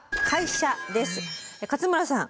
勝村さん